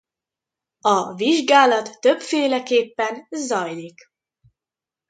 A vizsgálat többféleképpen zajlik.